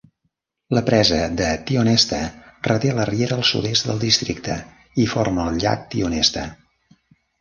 La presa de Tionesta reté la riera al sud-est del districte i forma el llac Tionesta.